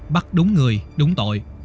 bắt đúng người đúng tội